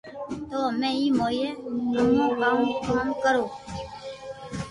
تو ھمي ايم ھوئي ڪو امو ڪوم ڪرو